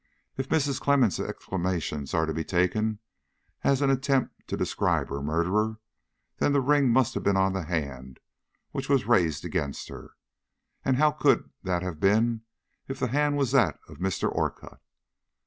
If Mrs. Clemmens' exclamations are to be taken as an attempt to describe her murderer, then this ring must have been on the hand which was raised against her, and how could that have been if the hand was that of Mr. Orcutt?